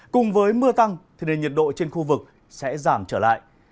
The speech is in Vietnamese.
cùng với mưa tăng thì nền nhiệt độ trên khu vực sẽ giảm trở lại